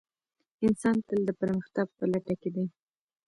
انسان تل د پرمختګ په لټه کې دی.